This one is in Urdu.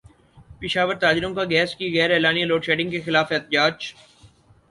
پشاور تاجروں کا گیس کی غیر اعلانیہ لوڈشیڈنگ کیخلاف احتجاج